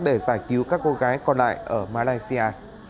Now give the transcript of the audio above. để giải cứu các cô gái còn lại ở malaysia